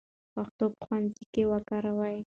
پښتو په ښوونځي کې وکاروئ.